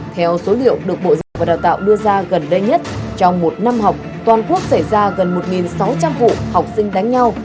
theo số liệu được bộ giáo dục và đào tạo đưa ra gần đây nhất trong một năm học toàn quốc xảy ra gần một sáu trăm linh vụ học sinh đánh nhau